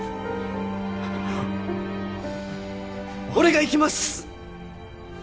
お俺が行きます！